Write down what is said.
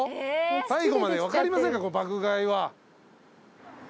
最後まで分かりませんから『爆買い』は。